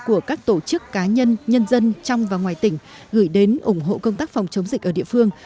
của các tổ chức cá nhân nhân dân trong và ngoài tỉnh gửi đến ủng hộ công tác phòng chống dịch ở địa phương